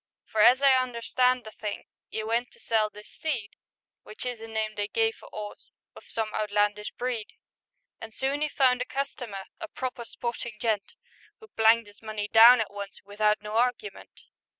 For, as I understand the thing, 'E went to sell this steed — Which is a name they give a 'orse Of some outlandish breed —, And soon 'e found a customer, A proper sportin' gent, Who planked 'is money down at once Without no argument.